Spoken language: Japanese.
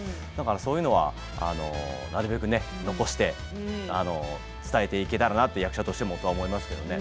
そういうのは、なるべく残して伝えていけたらなと役者として僕は思いますけどね。